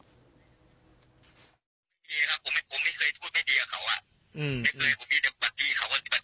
ดีนะครับผมไม่เคยพูดไม่ดีกับเขาอ่ะ